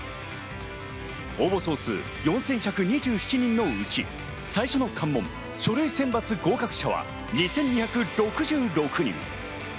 応募総数４１２７人のうち、最初の関門、書類選抜合格者は２２６６人。